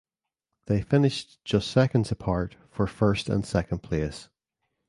They finished just seconds apart for first and second place.